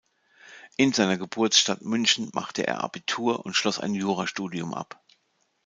In seiner Geburtsstadt München machte er Abitur und schloss ein Jurastudium ab.